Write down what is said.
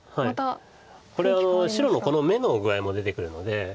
これこの白の眼の具合も出てくるので。